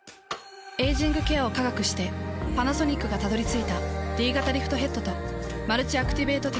エイジングケアを科学してパナソニックがたどり着いたＤ型リフトヘッドとマルチアクティベートテクノロジー。